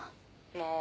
もう。